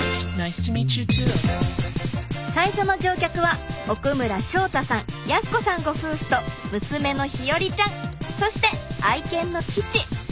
最初の乗客は屋村祥太さん靖子さんご夫婦と娘の日和ちゃんそして愛犬のキチ。